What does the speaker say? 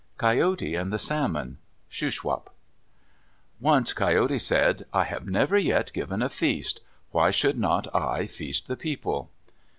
COYOTE AND THE SALMON Shuswap Once Coyote said, "I have never yet given a feast! Why should not I feast the people?"